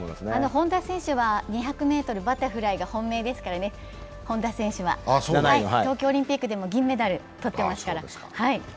本多灯選手は２００ｍバタフライが本命ですから、東京オリンピックでも銀メダル取ってますから。